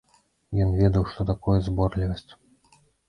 Ён ведаў, што такое зборлівасць.